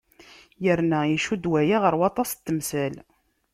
Yerna icudd waya ɣer waṭas n temsal.